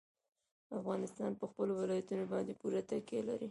افغانستان په خپلو ولایتونو باندې پوره تکیه لري.